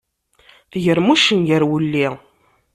Tegrem uccen gar wulli.